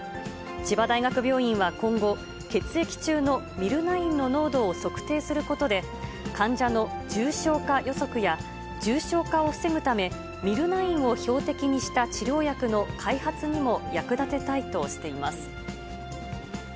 千葉大学病院は今後、血液中のミルナインの濃度を測定することで、患者の重症化予測や重症化を防ぐため、ミルナインを標的にした治療薬の開発にも役立てたいとしています。